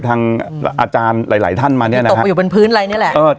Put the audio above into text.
อาจารย์หลายท่านมาเมื่อกี้